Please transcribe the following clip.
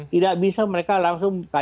tidak bisa mereka langsung